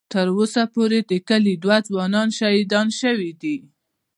ـ تر اوسه پورې د کلي دوه ځوانان شهیدان شوي دي.